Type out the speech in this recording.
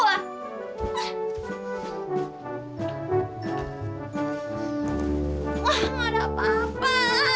wah gak ada apa apa